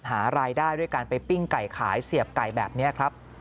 หารายได้ด้วยการไปปิ้งไก่ขายเสียบไก่แบบนี้ครับ